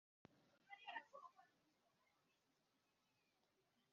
tuze kuri kalisa wamaze ibitaro